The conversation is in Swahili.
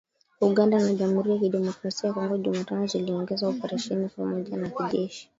Uganda na Jamhuri ya Kidemokrasia ya Kongo Jumatano ziliongeza operesheni ya pamoja ya kijeshi.